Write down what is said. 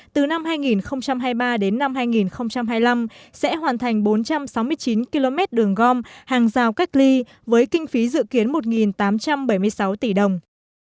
từ năm hai nghìn hai mươi ba đến năm hai nghìn hai mươi năm sẽ hoàn thành bốn trăm sáu mươi chín km đường gom hàng rào cách ly với kinh phí dự kiến một tám trăm bảy mươi sáu tỷ đồng